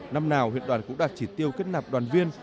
năm nào huyện đoàn cũng đạt chỉ tiêu kết nạp đoàn viên